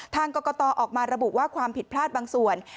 ทางกรกตออกมาระบุว่าความผิดพลาดบางส่วน